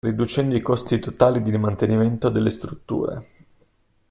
Riducendo i costi totali di mantenimento delle strutture.